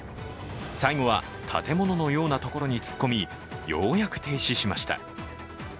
最後は建物のようなところに突っ込み、ようやく停止しました。